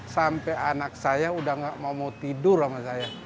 sampai anak saya udah gak mau mau tidur sama saya